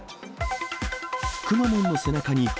くまモンの背中に羽。